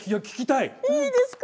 いいですか？